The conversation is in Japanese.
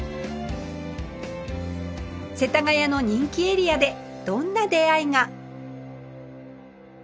世田谷の人気エリアでどんな出会いが？